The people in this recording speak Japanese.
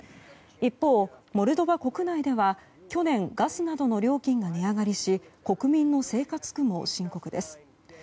一方、モルドバ国内では去年ガスなどの料金が値上がりし国民の生活苦も深刻です。